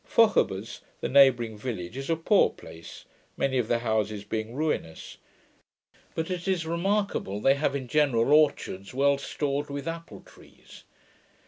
Fochabers, the neighbouring village, is a poor place, many of the houses being ruinous; but it is remarkable, they have in general orchards well stored with apple trees.